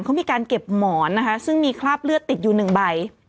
เขามีการเก็บหมอนนะคะซึ่งมีคราบเลือดติดอยู่หนึ่งใบ